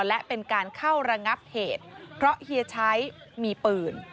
และเป็นการเข้าระงับเหตุเพราะเฮียชัยมีปืน